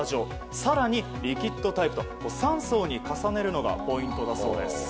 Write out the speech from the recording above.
更にリキッドタイプと３層に重ねるのがポイントだそうです。